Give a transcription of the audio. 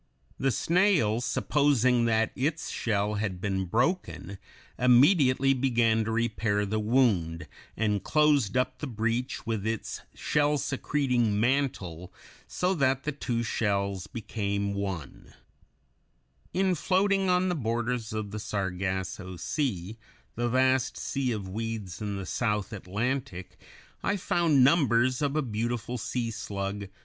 The snail, supposing that its shell had been broken, immediately began to repair the wound, and closed up the breach with its shell secreting mantle, so that the two shells became one. [Illustration: FIG. 111. A sea slug (Dendronotus).] In floating on the borders of the Sargasso Sea, the vast sea of weeds in the South Atlantic, I found numbers of a beautiful sea slug (Fig.